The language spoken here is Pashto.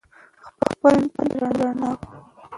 خپل ژوند پرې رڼا کړو.